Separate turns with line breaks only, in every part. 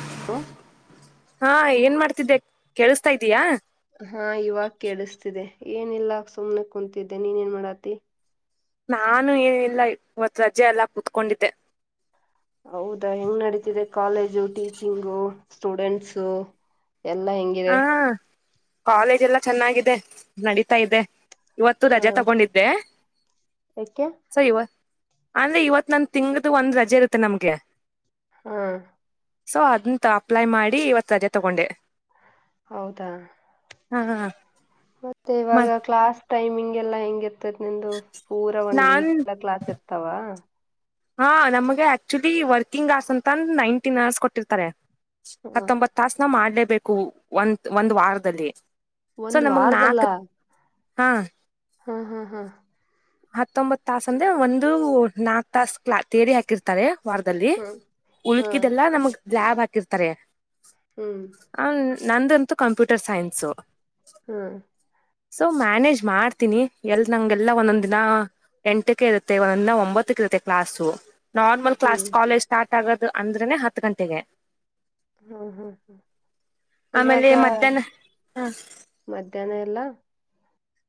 [unintelligible]
ಹಾ ಏನ್ ಮಾಡ್ತಿದ್ದೆ ಕೇಳಸ್ತಾ ಇದ್ದೀಯಾ.
ಹಾ ಇವಾಗ ಕೇಳಸತಿದೆ ಏನಿಲ್ಲ ಸುಮ್ನೆ ಕುಂತಿದ್ದೆ ನೀನ್ ಏನ್ ಮಾಡಾತಿ.
ನಾನು ಏನ ಇಲ್ಲ ಇವತ್ ರಜೆ ಎಲ್ಲಾ ಕುೂತ್ಕೊಂಡಿದ್ದೆ.
ಹೌದಾ ಹೆಂಗ್ ನಡೀತಿದೆ ಕಾಲೇಜು ಟೀಚಿಂಗು ಸ್ಟೂಡೆಂಟ್ಸು. ಎಲ್ಲಾ
ಹ
ಹೆಂಗಿದೆ.
ಕಾಲೇಜ್ ಎಲ್ಲ ಚೆನ್ನಾಗಿದೆ ನಡೀತಾ ಇದೆ. ಇವತ್ತು
ಹಾ
ರಜೆ ತಗೊಂಡಿದ್ದೆ
ಯಾಕೆ
ಸೋ ಇವ. ಅಂದ್ರೆ ಇವತ್ ನನ್ ತಿಂಗಳದು ಒಂದ್ ರಜೆ ಇರುತ್ತೆ ನಮ್ಗೆ.
ಹಾ.
ಸೊ ಅದನ್ನ ಅಪ್ಲೈ ಮಾಡಿ ಇವತ್ತು ರಜೆ ತಗೊಂಡೆ.
ಹೌದಾ.
ಹಾ ಹಾ.
ಮತ್ತೆ ಇವಾಗ ಕ್ಲಾಸ್ ಟೈಮಿಂಗ್ ಎಲ್ಲಾ ಹೆಂಗಿ. ಇದ ನಿಂದು ಪೂರಾ ಒಂದ
ನಾನ್
ವೀಕ್ ಎಲ್ಲ ಕ್ಲಾಸ್ ಇರ್ತಾವ.
ಹಾ ನಮ್ಗೆ ಆಕ್ಚುಲಿ ವರ್ಕಿಂಗ್ ಆಸ್ ಅಂತಂದ ನೈನ್ಟೀನ್ ಅವರ್ಸ್ ಕೊಟ್ಟಿರ್ತಾರೆ.
ಹ
ಹತ್ತೊಂಬತ್ ತಾಸ ನಾವ್ ಮಾಡ್ಲೇಬೇಕು ಒಂದ ಒಂದ್ ವಾರದಲ್ಲಿ. ಸೊ
ಒಂದ
ನಮಗ್ ನಾಕ್
ವಾರದಲ್ಲ.
ಹಾ.
ಹಾ ಹಾ ಹಾ.
ಹತ್ತೊಂಬತ್ ತಾಸ ಅಂದ್ರೆ ಒಂದು ನಾಕ್ ತಾಸ ಕ್ಲಾ ತೆರೆ ಹಾಕಿರ್ತಾರೆ. ವಾರದಲ್ಲಿ
ಹಾ ಹಾ
ಉಳಕಿದೆಲ್ಲಾ ನಮಗ್ ಲ್ಯಾಬ್ ಹಾಕಿರ್ತಾರೆ.
ಹ್ಮ್.
ನಮ್ದು ಅಂತು ಕಂಪ್ಯೂಟರ್ ಸೈನ್ಸು.
ಹ್ಮ್.
ಸೊ ಮ್ಯಾನೇಜ್ ಮಾಡ್ತೀನಿ ಎಲ್ ನಂಗೆಲ್ಲಾ ಒಂದೊಂದ್. ನಾ ಎಂಟಕ ಇರುತ್ತೆ ಒನ ಒಂಬತ್ತಕ ಇರುತ್ತೆ ಕ್ಲಾಸು. ನಾರ್ಮಲ್
ಹ್ಮ್
ಕ್ಲಾಸ್ ಕಾಲೇಜ್ ಸ್ಟಾರ್ಟ್ ಆಗೋದು ಅಂದ್ರೆನೆ ಹತ್ತ ಗಂಟೆಗೆ.
ಹ್ಮ ಹ್ಮ್ ಹ್ಮ್ ಇವಾಗ.
ಆಮೇಲೆ ಮಧ್ಯಾಹ್ನ ಹ
ಮಧ್ಯಾಹ್ನ ಎಲ್ಲಾ.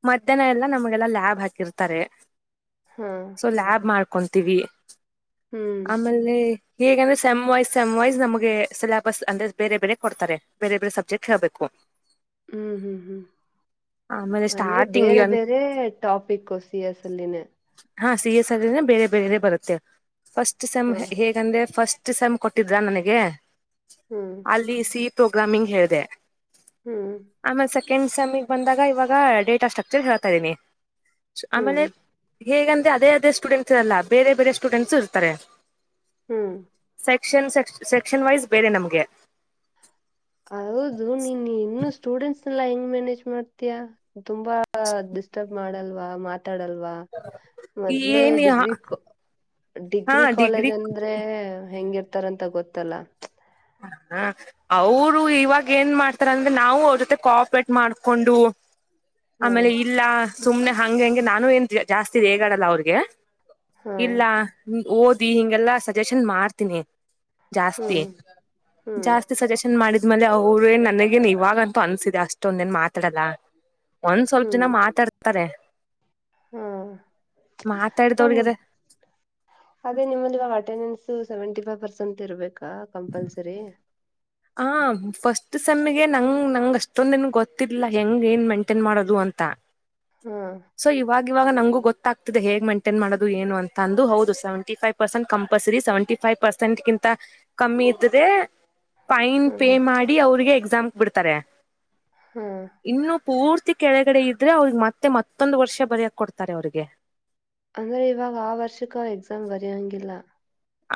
ಮಧ್ಯಾಹ್ನ ಎಲ್ಲಾ ನಮ್ಗ ಎಲ್ಲಾ ಲ್ಯಾಬ್ ಹಾಕಿರ್ತಾರೆ
ಹಾ
ಸೊ ಲ್ಯಾಬ್ ಮಾಡ್. ಹಕೊಂತೀವಿ
ಹ್ಮ್
ಆಮೇಲೆ ಹೇಗೆಂದ್ರೆ ಸೆಮ್ ವೈಸ್ ಸೆಮ್ ವೈಸ್ ನಮಗೆ ಸಿಲೆಬಸ್ ಅಂದ್ರೆ ಬೇರೆ ಬೇರೆ ಕೊಡ್ತಾರೆ ಬೇರೆ ಬೇರೆ ಸಬ್ಜೆಕ್ಟ್ ಹೇಳ್ಬೇಕು.
ಹು ಹು ಹು
ಆಮೇಲೆ
ಅಂದ್ರೆ
ಸ್ಟಾರ್ಟಿಂಗ್
ಬೇರೆ ಬೇರೆ ಟಾಪಿಕ್ ಸಿ ಎಸ್ ಅಲ್ಲಿನೆ
ಹಾ ಸಿ ಎಸ್ ಅಲ್ಲಿ ನೇ ಬೇರೆ ಬೇರೆ ಬರುತ್ತೆ ಫಸ್ಟ್ ಸೆಮ್
ಹಾ
ಹೇಗಂದ್ರೆ ಫಸ್ಟ್ ಫಸ್ಟ್ ಎಮ್ ಕೊಟ್ಟಿದ್ರಾ ನನಗೆ
ಹ್ಮ್
ಅಲ್ಲಿ ಸಿ ಪ್ರೋಗ್ರಾಮಿಂಗ್ ಹೇಳಿದೆ
ಹು
ಸೆಕೆಂಡ್ ಸೆಮ್ ಗ್ ಬಂದಾಗ ಇವಾಗ ಡೇಟಾ ಸ್ಟ್ರಕ್ಚರ್ ಹೇಳ್ತಾ ಇದೀನಿ ಆಮೇಲೆ
ಹ್ಮ್
ಹೇಗಂದ್ರೆ ಅದೇ ಅದೇ ಸ್ಟೂಡೆಂಟ್ಸ್ ಇರಲ್ಲ ಬೇರೆ ಬೇರೆ ಸ್ಟೂಡೆಂಟ್ಸು ಇರ್ತಾರೆ
ಹು
ಸೆಕ್ಷನ್ ಸೆಕ್ಷನ್ ವೈಸ್ ಬೇರೆ ನಮ್ಗೆ
ಹೌದು ನೀನ್ ಇನ್ನು ಸ್ಟೂಡೆಂಟ್ಸ್ ಎಲ್ಲ ಹೆಂಗ್ ಮ್ಯಾನೇಜ್ ಮಾಡ್ತಯಾ ತುಂಬಾ ಡಿಸ್ಟರ್ಬ್ ಮಾಡಲ್ವಾ ಮಾಡಲ್ವಾ ಮೊದ್ಲೆೇ
ಏನ್
ಡಿಗ್ರಿ ಡಿಗ್ರಿ ಕಾಲೇಜ್ ಅಂದ್ರೆ ಹೆಂಗಿರ್ತಾರಂತ ಗೊತ್ತಲ್ಲ
ಹ ಅವ್ರು ಇವಾಗ ಏನ್ ಮಾಡ್ತಾರಂದ್ರೆ ನಾವು ಅವ್ರ ಜೊತೆ ಕೂಪೆರೇಟ್ ಮಾಡ್ಕೊಂಡು
ಹಾ
ಆಮೇಲೆ ಇಲ್ಲ ಸುಮ್ನೆ ಹಂಗೆ ಹಂಗೆ ನಾನು ಏನ್ ಜಾಸ್ತಿ ರೇಗಾಡಲ್ಲ ಅವ್ರಿಗೆ
ಹಾ
ಇಲ್ಲ ಓದಿ ಹಿಂಗೆಲಾ ಸಜೆಷನ್ ಮಾಡ್ತೀನಿ ಜಾಸ್ತಿ
ಹ್ಮ್ ಹ್ಮ್
ಜಾಸ್ತಿ ಸಜೆಷನ್ ಮಾಡಿದ್ ಆಮೇಲೆ ಅವ್ರೇ ನನಗೇನ್ ಇವಾಗಂತೂ ಅನ್ಸಿದೆ ಅಷ್ಟೊಂದ ಏನ್ ಮಾತಾಡಲ್ಲ ಒಂದ್ ಸ್ವಲ್ಪ ಜನ
ಹ್ಮ್
ಮಾತಾಡ್ತಾರೆ
ಹಾ
ಮಾತಾಡಿದವ್ರಿಗದ
[unintelligible] ಅದೇ ನಿಮಲ್ಲಿ ಈವಾಗ attendance seventy five percent [unintelligible] ಇರ್ಬೇಕಾ compulsory
ಹ ಫಸ್ಟ್ ಸಮ್ಮಗೆ ನಂಗ್ ನಂಗ್ ಅಷ್ಟೊಂದನ್ ಗೊತ್ತಿಲ್ಲ ಹೆಂಗ ಏನ್ ಮೈಂಟೈನ್ ಮಾಡೋದು ಅಂತ ಅಂತಾ
ಹಾ
ಸೊ ಇವಾಗ ಇವಾಗ ನಂಗು ಗೊತ್ತಾಗತದೆೇಗೆ ಹೇಗ್ ಮೈಂಟೈನ್ ಮಾಡೋದು ಏನು ಅಂತ ಅಂದು ಹೌದು seventy five percent compulsory seventy five percent ಕಿಂತ ಕಮ್ಮಿ ಇದ್ದದೆ ಫೈನ್ ಪೇ
ಹ್ಮ್
ಮಾಡಿ ಅವ್ರಿಗೆ ಎಕ್ಸಾಮ್ಗೆ ಬಿಡ್ತಾರೆ
ಹು
ಇನ್ನು ಪೂರ್ತಿ ಕೆಳಗಡೆ ಇದ್ರೆ ಅವ್ರಿಗೆ ಮತ್ತೆ ಮತ್ತೊಂದು ವರ್ಷ ಬರಕ್ ಕೊಡ್ತಾರೆ ಅವ್ರಿಗೆ
ಅಂದ್ರೆ ಇವಾಗ ಆ ವರ್ಷಕ್ ಆ ಎಕ್ಸಾಮ್ ಬರೆಯೋಂಗಿಲ್ಲ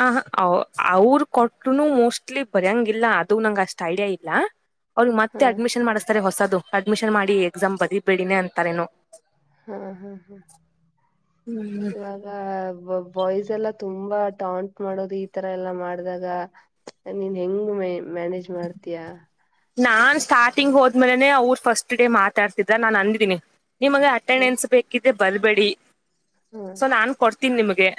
ಆ ಅ ಅವರು ಕೊಟ್ನುನು ಮೋಸ್ಟ್ಲಿ ಬರ್ಯಂಗ್ ಇಲ್ಲ ಅದು ನಂಗ್ ಅಷ್ಟ್ ಐಡಿಯಾ ಇಲ್ಲ ಅವ್ರಗ್
ಹಾ
ಮತ್ತೆ ಅಡ್ಮಿಷನ್ ಮಾಡಿಸಸ್ತಾರೆ ಹೊಸದು ಅಡ್ಮಿಷನ್ ಮಾಡಿ ಎಕ್ಸಾಮ್ ಬದಿಬೇಡಿನೇ ಅಂತಾರೇನೊ
ಹಾ ಹಾ ಹಾ
ಹ್ಮ್
ಇವಾಗ [unintelligible] ಬಾಯ್ಸ್ ಎಲ್ಲ ತುಂಬಾ ಟಾಂಟ್ ಮಾಡೋದು ಈ ತರ ಎಲ್ಲಾ ಮಾಡಿದಾಗ ನೀನ್ ಹೆಂಗ್ ಮ ಮ್ಯಾನೇಜ್ ಮಾಡ್ತೀಯಾ
ನಾನ್ ಸ್ಟಾರ್ಟಿಂಗ್ ಹೋದ್ಮೇಲೆನೆ ಅವರು ಫಸ್ಟ್ ಡೇ ಮಾತಾಡುಸ್ತಿದ್ದ ನಾನ್ ಅಂದಿದ್ದೀನಿ ನಿಮಗೆ
ಹ್ಮ್
ಅಟೆಂಡೆನ್ಸ್ ಬೇಕಿದ್ರೆ ಬಲ್ಬೇಡಿ
ಹ್ಮ್
ಸೊ ನಾನು ಕೊಡ್ತೀನಿ ನಿಮಗೆ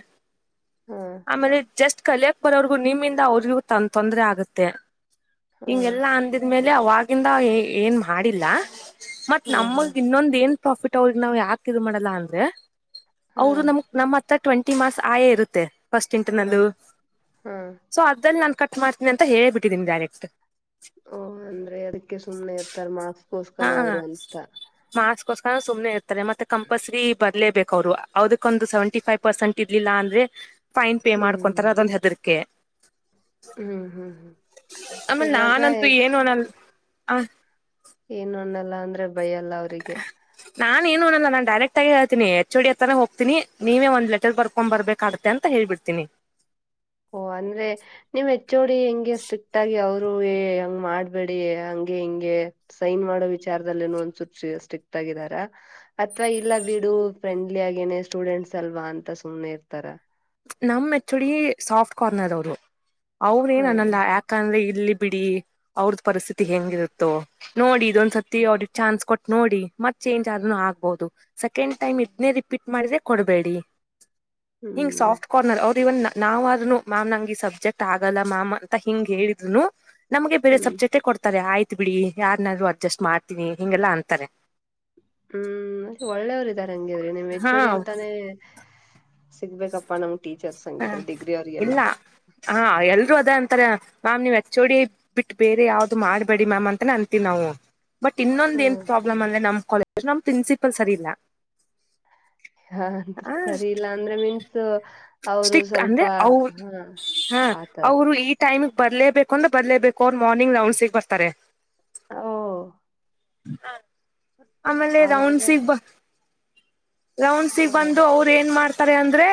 ಹ್ಮ್
ಆಮೇಲೆ ಜಸ್ಟ್ ಕಲಿಯಕ್ ಬರೋರ್ಗೂ ನಿಮ್ಮಿಂದ ಅವ್ರಿಗೂ ತ ತೊಂದ್ರ ಆಗತ್ತೆ
ಹ್ಮ್
ಹಿಂಗೆಲ್ಲಾ ಅಂದಿದ್ಮೇಲೆ ಅವವಾಗಿಂದ ಏನ್ ಮಾಡಿಲ್ಲ ಮತ್
ಹ್ಮ್
ನಮಗ್ ಇನ್ನೊಂದ ಏನ್ ಪ್ರಾಫಿಟ್ ಅವ್ರಿಗೆ ನಾವ್ ಯಾಕ ಇ ಮಾಡಲ್ಲ ಅಂದ್ರೆ
ಹ್ಮ್
ಹೌದು
ಹ್ಮ್
ನಮ ನಮ್ಮ ಹತ್ರ ಟ್ವೆಂಟಿ ಮಾಸ್ ಆಯೇ ಇರುತ್ತೆ ಫಸ್ಟ್ ಇಂಟರ್ನಲ್ಲೂ
ಹ್ಮ್ ಹ್ಮ್
ಸೊ ಅದಲ್ಲಿ ನಾನು ಕಟ್ ಮಾಡ್ತೀನಿ ಅಂತ ಹೇಳಿಬಿಟ್ಟಿದ್ದೀನಿ ಡೈರೆಕ್ಟ್
ಓ ಅಂದ್ರೆ ಅದಕ್ಕೆ ಸುಮ್ನೆ ಇರ್ತಾರ ಮಾಸ್ಕೋಸ್ಕನ ಆದ್ರು ಅಂತ
ಕೋಸ್ಕರ ಸುಮ್ನೆ ಇರ್ತಾರೆ ಮತ್ತೆ ಕಂಪ್ಯೂಲ್ಸರಿ ಬರ್ಲೇಬೇಕು ಅವ್ರು ಅದಕ್ಕೊಂದು ಸೇವೆಂಟಿ ಫೈವ್ ಪರ್ಸೆಂಟ್ ಇರ್ಲಿಲ್ಲ ಅಂದ್ರೆ ಫೈನ್ ಪೇ ಮಾಡ್ಕೊಂತಾರ
ಹ್ಮ್
ಅದೊಂದು ಹೆದರಿಕೆ
ಹ್ಮ್ ಹ್ಮ್ ಹ್ಮ್
ಆಮೇಲ್
ಇವಾಗ
ನಾನಂತೂ ಏನು ಅನಲ್ಲ ಆ
ನ್ನಲ್ಲ ಅಂದ್ರೆ ಭಯ ಅಲ್ಲ ಅವ್ರರಿಗೆ
ನಾನ್ ಏನು ಅನ್ನಲ ನಾನ್ ಡೈರೆಕ್ಟ್ಗ ಹೇಳ್ತಿನಿ ಎಚ್ ಒ ಡಿ ಹತ್ತಾನ ಹೋಗ್ತೀನಿ ನೀವೆ ಒಂದ್ ಲೆಟರ್ ಬರ್ಕೊಬರರ್ಬೆಕಾಗುತ್ತೆ ಅಂತ ಹೇಳ್ ಹೇಳ್ಬಿಡ್ತೀನಿ
ಓ ಅಂದ್ರೆ ನಿಮ್ ಹೆಚ್ ಒ ಡಿ ಹೆಂಗೆ ಸ್ಟ್ರಿಕ್ಟ್ ಆಗಿ ಅವ್ರ್ ಏ ಹಂಗ್ ಮಾಡ್ಬೇಡಿ ಹಂಗೆ ಹಿಂಗೆ ಸೈನ್ ಮಾಡೋ ವಿಚಾರದದಲ್ಲೆನು ಒಂದಸೂಚ್ ಸ್ಟ್ರಿಕ್ಟ್ ಆಗಿ ಇದರ ಅಥವಾ ಇಲ್ಲ ಬಿಡು ಫ್ರೆಂಡ್ಲಿ ಆಗೇನೆ ಸ್ಟೂಡೆಂಟ್ಸ್ ಅಲ್ವಾ ಅಂತ ಸುಮ್ಮ್ನೆ ಇರ್ತಾರ
ನಮ್ H O D soft corner ಅವರು ಅವ್ರ ಏನ್
ಹಾ
ಅನ್ನಲ್ಲ ಯಾಕಂದ್ರೆ ಇಲ್ಲಿ ಬಿಡಿ ಅವ್ರದ್ ಪರಿಸ್ಥಿತಿ ಹೆಂಗಿರುತ್ತೋ ನೋಡಿ ಇದೊಂದ ಸತಿ ಅವ್ರಿಗೆ ಚಾನ್ಸ್ ಕೊಟ್ ನೋಡಿ ಮತ್ ಚೇಂಜ್ ಆದ್ನೂ ಆಗ್ಬಹುದು ಸೆಕೆಂಡ್ ಟೈಮ್ ಇದ್ನೇ ರಿಪೀಟ್ ಮಾಡಿದ್ರೆ ಕೊಡ್ಬೇಡಿ [inaudible]
ಹ್ಮ್
ಹಿಂಗ್
ಹ್ಮ್
ಸಾಫ್ಟ್ ಕಾರ್ನರ್ ಅವರು ಇವನ್ ನಾವ ಆದ್ನು ಮ್ಯಾಮ್ ನಂಗೆ ಸಬ್ಜೆಕ್ಟ್ ಆಗಲ್ಲ ಮ್ಯಾಮ್ ಅಂತ ಹಿಂಗ್ ಹೇಳಿದ್ರುನು ನಮ್ಗೆ ಬೇರೆ
ಹ್ಮ್
ಸಬ್ಜೆಕ್ಟೇ ಕೊಡ್ತಾರೆ ಆಯ್ತು ಬಿಡಿ ಯಾರನಾದ್ರು ಅಡ್ಜಸ್ಟ್ ಮಾಡ್ತೀನಿ ಹಿಂಗೆಲ್ಲ ಅಂತಾರೆ
ಹ್ಮ್ ಒಳ್ಳೇವ್ರ ಇದಾರೆ ಹಂಗಿದ್ರಿ ನಿಮ್ ಹೆಚ್
ಹಾ
ಒ ಡಿ ಅಂತಾನೇ ಸಿಗ್ಬೇಕಪ್ಪಾ ನಮ್ ಟೀಚರ್ಸ್
ಹಾ
ಹಂಗಿದ್ರ ಡಿಗ್ರಿ ಅವ್ರಿಗೆಲ್ಲ
ಇಲ್ಲ ಹಾ ಎಲ್ರು ಅದ ಅಂತಾರೆ ಮ್ಯಾಮ್ ನೀವ್ ಹೆಚ್ ಒ ಡಿ ಬಿಟ್ಟು ಬೇರೆ ಯಾವ್ದು ಮಾಡ್ಬೇಡಿ ಮಾಮ್ ಅಂತೇ ಅಂತೀವಿ ನಾವು ಬಟ್ ಇನ್ನೊಂದ ಏನ್
ಹ್ಮ್
ಪ್ರಾಬ್ಲಮ್ ಅಂದ್ರೆ ನಮ್ ಕಾಲೇಜ್ ನಮ್ ಪ್ರಿನ್ಸಿಪಲ್ ಸರಿ ಇಲ್ಲ
ಹಾ ಅಂದ್ರೆ
ಆ
ಸರಿ ಇಲ್ಲಾ ಅಂದ್ರೆ ಮೀನ್ಸ್ ಅವರು
ಸ್ಟಿಕ್
ಸ್ವಲ್ಪ
ಅಂದ್ರೆ
ಹಾ
[unintelligible]
ಆತರ
ಅವರು ಈ ಟೈಮ್ ನಿಮಗ್ ಬರ್ಲೇಬೇಕು ಅಂದ್ರ ಬರ್ಲೇಬೇಕು ಅವ್ರ ಮಾರ್ನಿಂಗ್ ರೌಂಡ್ಸಗ್ ಬರ್ತಾರೆ
ಓ
ಆಮೇಲೆ
ಅವಾಗ
ರೌಂಡ್ಸ್ಗ್ ಬಾ ರೌಂಡ್ ಸಿಗ್
ಹ್ಮ್
ಬಂದು ಅವ್ರ ಏನ್ ಮಾಡ್ ಅಂದ್ರೆ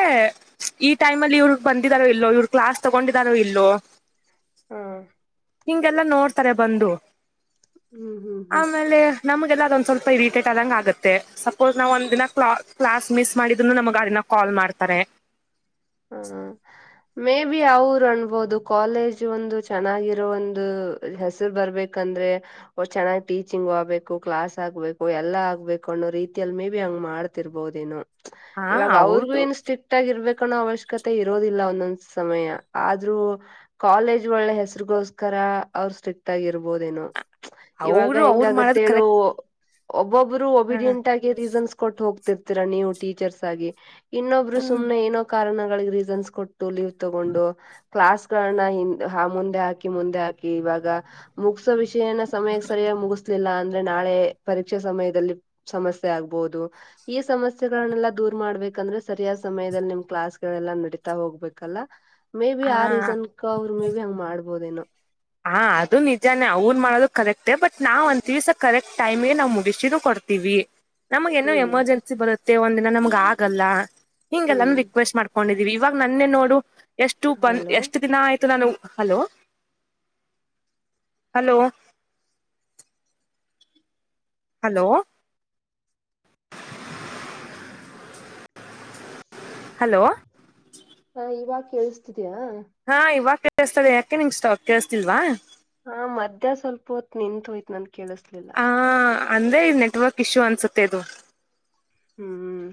ಈ ಟೈಮ್ ಅಲ್ಲಿ ಇವ್ರ ಬಂದಿದಾರೋ ಇಲ್ಲೋ ಇವ್ರ ಕ್ಲಾಸ್ ತಗೊಂಡಿದಾರೋ ಇಲ್ಲೋ
ಹ್ಮ್
ಹಿಂಗೆಲ್ಲಾ ನೋಡ್ತಾರೆ ಬಂದು
ಹ್ಮ್ ಹ್ಮ್ ಹ್ಮ್
ಆಮೇಲೆ ನಮಗೆಲ್ಲ ಅದನ್ಸಲ್ ಸ್ವಲ್ಪ ಇರಿಟೆಟ್ ಆದಂಗ ಆಗುತ್ತೆ ಸಪೋಸ್ ನಾವ್ ಒಂದ ದಿನ ಕ್ಲಾಸ್ ಮಿಸ್ ಮಾಡಿದ್ನ್ನು ನಮಗೆ ಅದನ್ನ ಕಾಲ್ ಮಾಡ್ತಾರೆ [inaudible]
ಹ್ಮ್ ಹ್ಮ್ ಮೇ ಬಿ ಅವರು ಅನ್ಬೋದು ಕಾಲೇಜ್ ಒಂದು ಚೆನ್ನಾಗಿರೋ ಒಂದು ಹೆಸರು ಬರ್ಬೇಕಂತ ಅಂದ್ರೆ ಚೆನ್ನಾಗ್ ಟೀಚಿಂಗ್ ಆಗ್ಬೇಕು ಕ್ಲಾಸ್ ಆಗ್ಬೇಕು ಎಲ್ಲಾ ಆಗ್ಬೇಕು ಅನ್ನೋ ರೀತಿಯಲ್ಲಿ ಮೇ ಬಿ ಹಂಗ ಮಾಡ ಮಾಡ್ತಿರ್ಬಹುದೇನೋ
ಹಾ
ಇವಾಗ ಅವ್ರಿಗು
ಅವ್ರ್ದು
ಏನು ಸ್ಟ್ರಿಕ್ಟ್ ಆಗಿರ್ಬೇಕ್ ಕಾಣ ಅವಶ್ಯಕತೆ ಇರೋದಿಲ್ಲ ಒಂದೊಂದ್ ಸಮಯ ಆದ್ರೂ ಕಾಲೇಜ್ ಒಳ್ಳೆ ಹೆಸರಿಗೋಸ್ಕರ ಅವ್ರ ಸ್ಟ್ರಿಕ್ಟ್ ಆಗಿರ್ಬೋದೇನೂ ಇವಾಗ
ಅವರು ಅವ್ರು ಮಾಡೋದು
ಹೆಂಗಗತ್ತೇಳು
ಕರೆಕ್ಟ್
ಒಬ್ರು ಒಬಿಡಿಯಂಟ್ ಆಗಿ ರೀಸನ್ಸ್ ಕೊಟ್ ಹೋಗ್ತಿರ್ತೀರಾ ನೀವು ಟೀಚರ್ಸ್ ಆಗಿ ಇನ್ನೊಬ್ಬರು
ಹ್ಮ್
ಸುಮ್ಮನೆ ಏನೋ ಕಾರಣಗಳಿಗೆ ರೀಸನ್ಸ್ ಕೊಟ್ಟು ಲೀವ್ ತಗೊಂಡು ಕ್ಲಾಸ್ಗಳನ್ನ ಮುಂದೆ ಹಾಕಿ ಮುಂದೆ ಹಾಕ ಇವಾಗ ಮುಗ್ಸೋ ವಿಷಯನ ಸಮಯಕ್ಕೆ ಸರಿಯಾಗಿ ಮುಗಿಸ್ಲಿಲ್ಲ ಅ ನಾಳೆ ಪರೀಕ್ಷೆ ಸಮಯದಲ್ಲಿ ಸಮಸ್ಯೆ ಆಗ್ಬಹುದು ಈ ಸಮಸ್ಯೆಗಳನ್ನೆಲ್ಲಾ ದೂರ್ ಮಾಡ್ಬೇಕು ಯಾಂದ್ರ ಸರಿಯಾದ ಸಮಯದಲ್ಲಿ ನಿಮ್ ಕ್ಲಾಸ್ ಗಳೆಲ್ಲ ನಡೀತಾ ಹೋಗ್ಬೇಕಲ್ಲ ಮೇ ಬಿ ಆ ರೀಸನ್ ಅವ್ರು ಮೇ ಬಿ ಹಂಗ್ ಮಾಡ್ಬೋದೇನೋ
ಹಾ ಅದು ನಿಜಾನೇ ಅವ್ನ್ ಮಾಡೋದು ಕರೆಕ್ಟೇ ಬಟ್ ನಾವ್ಂದ್ ದಿವ್ಸ ಕರೆಕ್ಟ್ ಟೈಮಗೆ ನಾವ್ ಮುಗಿಸಿದ ಕೊಡ್ ತ್ವಿ ನಮಗ ಏನೋ
ಹ್ಮ್
ಎಮರ್ಜೆನ್ಸಿ ಬರುತ್ತೆ ಒಂದ್ ದಿನ ನಮ್ಗ್ ಆಗಲ್ಲ
ಹ್ಮ್
ಹಿಂಗೆಲ್ಲಾನು ರಿಕ್ವೆಸ್ಟ್ ಮಾಡ್ಕೊಂಡಿದ್ ಇವಾಗ ನನ್ನೆ ನೋಡು ಎಷ್ಟು ಬಂದ್
ಹಲೋ
ಎಷ್ಟು ದಿನ ಆಯ್ತು ನಾನು ಹಲೋ ಹಲೋ ಹಲೋ ಹಲೋ
ಹಾ ಇವಾಗ ಕೇಳ್ಸ್ತಿತ್
ಹಾ ಇವಾಗ ಕೇಳಿಸತದೆ ಯಾಕೆ ನಿಮ್ ಸ್ಟ ಕೇಸ್ತಿಲ್ವಾ
ಹಾ ಮದ್ಯಾ ಸ್ವಲ್ಪ ಹೊತ್ ನಿಂತ್ ಹೋಯಿತು ನನ್ ಕೇಳ್ಸ್ಲಿಲ್ಲ
ಆ ಅಂದ್ರೆ ನೆಟ್ವರ್ಕ್ ಇಶ್ಯೂ ಅನ್ಸುತ್ತೆ ಇದು
ಹ್ಮ್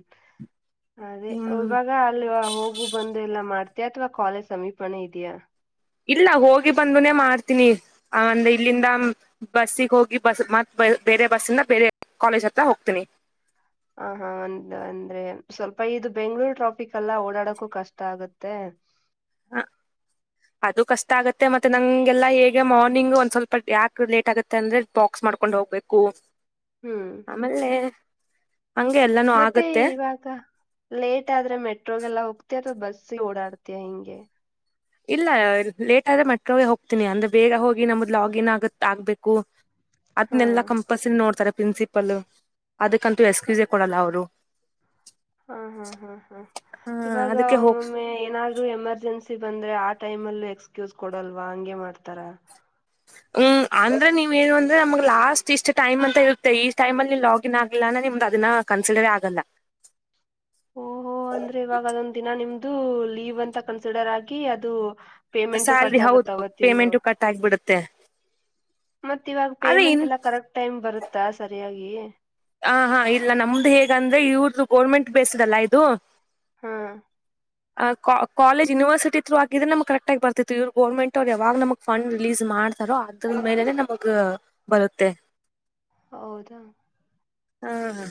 ಅದೇ
ಹ್ಮ್
ಇವಾಗ ಅಲ್ಲಿ ಹೋಗು ಬಂದು ಎಲ್ಲ ಮಾಡ್ತ ಅಥವಾ ಕಾಲೇಜ್ ಸಮೀಪನೇ ಇದೆಯಾ
ಇಲ್ಲ ಹೋಗಿ ಬಂದುನೆ ಮಾಡ್ತೀನಿ ಆ ಒಂದ ಇಲ್ಲಿಂದ ಬಸ್ಸಿಗೆ ಹೋಗಿ ಬಸ್ ಮತ್ತುತ್ತ ಬ ಬೇರೆ ಬಸ್ಸಿಂದ ಬೇರೆ ಕಾಲೇಜ್ ಹತ್ರ ಹೋಗ್ತೀನಿ
ಹ ಹಾ ಒಂದು ಅಂದ್ರೆ ಸ್ವಲ್ಪ ಇದು ಬೆಂಗ್ಳೂರು ಟ್ರಾಫಿಕ್ ಎಲ್ಲ ಓಡಾಡಕ್ಕೂ ಕಷ್ಟ ಆಗುತ್ತೆ [inaudible]
ಹ ಅದು ಕಷ್ಟ ಆಗತ್ತೆ ಮತ್ತೆ ನಂಗೆಲ್ಲಾ ಹೇಗೆ ಮಾರ್ನಿಂಗ್ ಒಂದ್ ಸ್ವಲ್ಪ ಯಾಕ ಲೇಟ್ ಆಗುತ್ತೆ ಅಂದ್ರೆ ಬಕ್ ಮಾಡ್ಕೊಂಡ್ ಹೋಗ್ಬೇಕು
ಹ್ಮ್
ಆಮೇಲೆ ಹಂಗೆ ಎಲ್ಲಾನು
ಮತ್ತೆ
ಆಗತ್ತೆ
ಇವಾಗ ಲೇಟ್ ಆದ್ರೆ ಮೆಟ್ರೋಗೆಲ್ಲ ಹೋಗ್ತಿ ಅಥವಾ ಬಸ್ ಬಸ ಓಡಾಡ್ತಯ ಹಿಂಗೆ
ಇಲ್ಲ ಲೇಟ್ ಆದ್ರೆ ಮಟೆ ಹೋಗ್ತೀನಿ ಅಂದ್ರೆ ಬೇಗ ಹೋಗಿ ನಮ್ದ್ ಲಾಗಿನ್ ಆಗತ್ ಆಗ್ಬೇಕು
ಹಾ
ಅದ್ನ್ನಲ್ಲಾ ಕಂಪಲ್ಸರಿ ನೋಡ್ತಾರೆ ಪ್ರಿನ್ಸಿಪಲ್ ಅದಕ್ಕಂತೂ ಎಕ್ಸ್ಕಸೆ ಕೊಡಲ್ಲ ಅವರು
ಹಾ ಹಾ ಹಾ ಹಾ
ಹ
ಇವಾಗ
ಅದಕ್ಕೆ ಹೋಗ್
ಒಮ್ಮೊಮ್ಮೆ ಏನಾದ್ರು ಎಮರ್ಜೆನ್ಸಿ ಬಂದ್ರೆ ಆ ಟೈಮಲ್ಲೂ ಎಕ್ಸ್ಕಸ್ ಕೊಡಲ್ವಾ ಹಂಗೆ ಮಾಡ್ತಾರ
ಹ್ಮ್ ಅಂದ್ರೆ ನೀವ ಏನು ಅಂದ್ರೆ ನಮಗ್ ಲಾಸ್ಟ್ ಇಷ್ಟ್ ಟೈಮ್ ಅಂತ ಇರುತ್ತೆ ಈ ಟೈಮ ಅಲ್ಲಿ ಲಾಗಿನ್ ಆಗಲ್ಲ ನಿಮ್ದು ಅದನ್ನ ಕನ್ಸಿಡರ ಆಗಲ್ಲ
ಅದು ಲೀವ್ ಅಂತ ಕನ್ಸಿಡರ್ ಆಗಿ ಅದು ಪೇಮೆಂಟು
ಸ್ಯಾಲ್ರಿ
ಕಟ್ ಆಗುತ್ತ
ಹೌದು
ಅವತ್ತಂದು
ಪೇಮೆಂಟ್ ಕಟ್ ಆಗ್ಬಿಡುತ್ತೆ
ಮತ್ತ ಇವಾಗ
ಆದ್ರೆ ಇನ್
ಪೇಮೆಂಟ್ ಎಲ್ಲ ಕರೆಕ್ಟ್ ಟೈಮ್ ಬರುತ್ತಾ ಸರಿಯಾಗಿ
ಹ ಹಾ ಇಲ್ಲ ನಮ್ದು ಹೇಗ ಅಂದ್ರೆ ಇವ್ರ್ದ ಗೋರ್ಮೆಂಟ್ ಬೇಸ್ದಲ್ಲ ಇದು
ಹಾ
ಆ ಕಾಲಜ್ ಯನಿವರ್ಸಟಿ ಥರು ಆಗಿದ್ರ ನಮ್ ಕಕ್ಟ್ ಆಗ ಬರ್ತಿ ಇವ್ ಗರ್ಮೆಂಟ್ ಅವರು ಯಾವಾಗ ನಮ್ ಫಂಡ ರಿಲೀಸ್ ಮಾಡ ಮಾಡ್ತಾರೋ ಅದ ಮೇಲೆನೆ ನಮಗ ಬರುತ್ತೆ
ಹೌದಾ
ಹಾ ಹ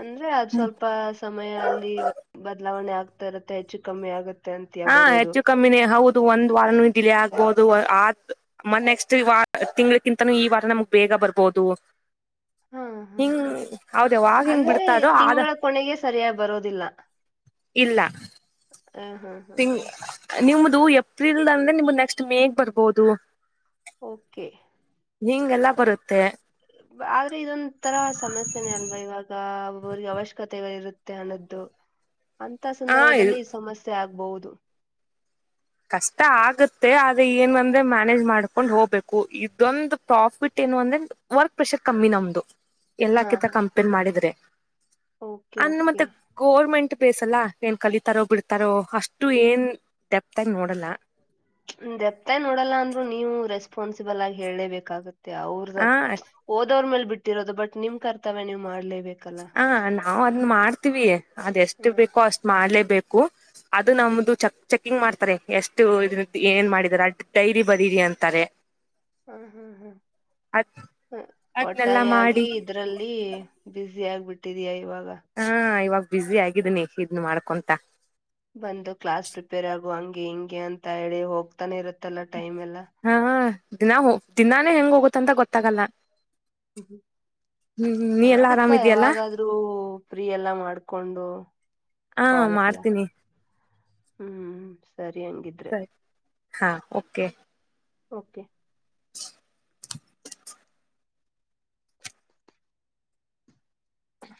ಅಂದ್ರೆ ಅದು ಸ್ವಲ್ಪ ಸಮಯ ಅಲ್ಲಿ ಬದಲಾವಣೆ ಆಗ್ತಾ ಇರತ್ತೆ ಹೆಚ್ಚು ಕಮ್ಮಿ ಆಗತ್ತೆ ಅಂತಯ
ಹಾ
ಬರೋದು
ಹೆಚ್ಚು ಕಮ್ಮಿನೇ ಹೌದು ಒಂದು ವಾರನು ಡಿಲೇ ಆಗ್ಬಹುದು ಮ ನೆಕ್ಸ್ಟ್ ವ ತಿಂಗಳಕ್ಕಿಂತೂ ಈ ವಾರ ನಮ್ಗ್ ಬೇಗ ಬರ್ಬಹುದು [unintelligible]
ಹಾ ಹಾ ಹ್ಮ್ ಅಂದ್ರೆ
ಬಿಡ್ತಾರೋ ಆದ
ತಿಂಗಳ ಕೊನೆಗೆ ಸರಿಯಾಗಿ ಬರೋದಿಲ್ಲ
ಇಲ್ಲಾ
ಹ ಹಾ ಹಾ
ತಿಂಗ್
ಹಾ
ನಿಮ್ದ ಏಪ್ರಿಲ್ ಅಂದ್ರೆ ನಿಮ್ದ ನೆಕ್ಸ್ ಮೇಗ್ ಬರ್ಬೋದು
ಓಕೆ
ನಿಂಗೆಲ್ಲಾ
ಬಟ್
ಬರುತ್ತೆ
ಆದ್ರೆ ಇದೊಂರ ಸಮಸ್ಯೆನೆೇ ಅಲ್ವಾ ಇವಾಗ್ರಿಗೆ ಅವಶ್ಯಕತೆಗಳಿರುತ್ತೆ ಮ ಅನ್ನದ್ದು ಅಂತ
ಆ
ಸಂದರ್ಭದಲ್ಲಿ ಸಮಸ್ಯೆ ಆಗ್ಬಹುದು
ಕಷ್ಟ ಆಗತ್ತೆ ಆದ್ರ ಏನ್ ಅಂದ್ರೆ ಮ್ಯಾನೇಜ್ ಮಾಡ್ಕೊಂಡ್ ಹೋಗ್ಬೇಕು ಇದೊಂದು ಪ್ರಾಫಿಟ್ ಏನು ಅಂದ್ರೆ ವರ್ಕ್ ಪ್ರೆಷರ್ ಕಮ್ಮಿ ನಮ್ದು ಎಲ್ಲಾ
ಹಾ
ಕಿಂತ
ಹಾ
ಕಂಪೇರ್ ಮಾಡಿದ್ರೆ
ಓಕೆ
ಅನ್
ಓಕೆ
ಮತ್ತೆ ಗೋರ್ಮೆಂಟ್ ಬೇಸಲ್ಲ ಏನ್ ಕಲಿತಾರೋ ಬಿಡ್ತಾರೋ ಅಷ್ಟು ಏನ್ ದೆಪ್ತ ಆಗಿ ನೋಡಲ್ಲ
ದೆಪ್ತಾಯ ನೋಡಲ್ಲ ಅಂದ್ ನೀವು ರೆಸ್ಪಾನ್ಸಿಬಲ್ ಆಗಿ ಹ ಹೇಳೇಬೇಕಾಗತ್ತೆ ಮ
ಆ
ಅವ್ರದದ ಓದವ್ರ ಮೇಲ್ ಬಿಟ್ಟಿರೋದು ಬಟ್ ನಿಮ್ ಕರ್ತವ್ಯ ನೀ ಮಾಡ್ಲೇಬೇಕಲ್ಲ
ನಾವು ಅದನ್ನ ಮಾಡ್ತೀವಿ ಅದ ಎಷ್ಟು
ಹ್ಮ್
ಬೇಕೋ ಅಷ್ಟ್ ಮಾಡ್ಲೇಬೇಕು ಅದು
ಹ್ಮ್
ನಮ್ದು ಚಕ್ ಚೆಕಿಂಗ್ ಮಾಡ್ತ ಎಷ್ಟು ಇದ ಏನ್ ಮಾಡಿದಿದ್ದಾರೆ ಅ ಡೈರಿ ಬರೀರಿ ಅಂತಾರೆ
ಹ್ಮ ಹ್ಮ್ ಹ್ಮ್
ಅದ್ ಅದನ್ನೆಲ್ಲಾ
ಒಟ್ಟಾರೆಯಾಗಿ
ಮಾಡಿ
ಇದ್ರಲ್ಲಿ ಬಿಸಿ ಆಗ್ಬಟ್ಟಿದ್ಯಾ ಇವಾಗ
ಹಾ ಇವಾಗ ಬ್ಯುಝ ಆಗಿದೀನಿ ಇದನ್ನು ಮಾಡ್ಕೊಂತ
ಬಂದು ಕ್ಲಾಸ್ ಪ್ರಿಪೇರ್ ಆಗುವ ಹಂಗೆ ಹಿಂಗೆ ಅಂತ ಹೇಳಿ ಹೋಗ್ತಾನೆ ಇರುತ್ತ ಇತ್ತಲ್ಲ ಟೈಮ್ ಇಲ್ಲ
ಹಾ ದಿನಾ ದಿನಾನೇ ಹೆಂಗ್ ಹೋಗುತ್ತ ಅಂತ ಗೊತ್ತಾಗಲ್ಲ
ಹೂ
ಹ್ಮ್ ನೀ ಎಲ್ಲಾ
ಮಾಡತ್ಪಾ
ಆರಾಮಿದಯಲ್ಲಾ
ಯಾವಾಗಾದ್ರೂ ಫ್ರೀ ಎಲ್ಲಾ ಮಾಡ್ಕೊಂಡು
ಹಾ ಮಾಡ್ತೀನಿ
ಹೂ
ಸರಿ ಹಾ ಓಕೆ
ಓಕೆ
ಚಿ
ಹ